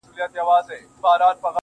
o لمن كي مي د سپينو ملغلرو كور ودان دى.